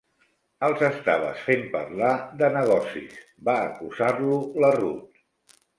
"Els estaves fent parlar de negocis", va acusar-lo la Ruth.